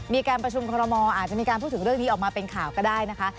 มีการประชุมคอรมอลอาจจะมีการพูดถึงเรื่องนี้ออกมาเป็นข่าวก็ได้นะคะ